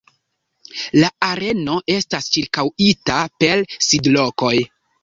La areno estas ĉirkaŭita per sidlokoj.